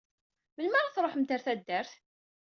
Melmi ara truḥemt ɣer taddart?